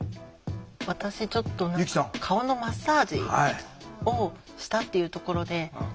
私ちょっと何か「顔のマッサージをした」っていうところで。